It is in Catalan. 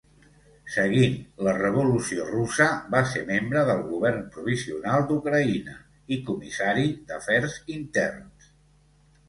Seguint la Revolució Russa, va ser membre del Govern Provisional d'Ucraïna i Comissari d'Afers Interns.